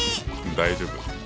大丈夫。